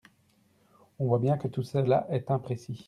On voit bien que tout cela est imprécis.